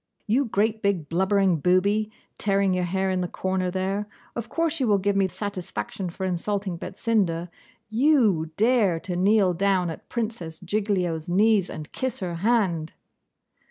'You great big blubbering booby, tearing your hair in the corner there; of course you will give me satisfaction for insulting Betsinda. YOU dare to kneel down at Princess Giglio's knees and kiss her hand!